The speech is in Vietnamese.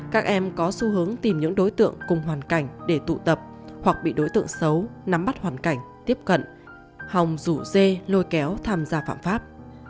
các em có xu hướng tìm những đối tượng cùng hoàn cảnh để tụ tập hoặc bị đối tượng xấu nắm bắt hoàn cảnh tiếp cận hòng rủ dê lôi kéo tham gia phạm pháp